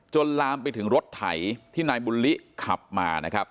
ลามไปถึงรถไถที่นายบุญลิขับมานะครับ